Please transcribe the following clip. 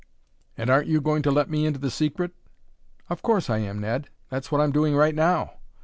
"And aren't you going to let me into the secret?" "Of course I am, Ned; that's what I'm doing right now!